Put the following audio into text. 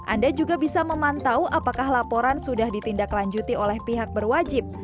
anda juga bisa memantau apakah laporan sudah ditindaklanjuti oleh pihak berwajib